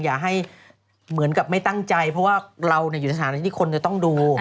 อย่าให้เหมือนกับไม่ตั้งใจเพราะว่าเราอยู่สถานที่ที่คนจะต้องดู